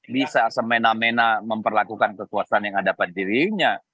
bisa semena mena memperlakukan kekuasaan yang ada pada dirinya